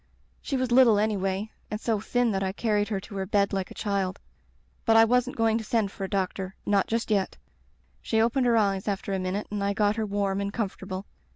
She was little anyway, and so thin that I carried her to her bed like a child. But I wasn't going to send for a doc tor — ^not just yet. She opened her eyes after a minute and I got her warm and comfort able.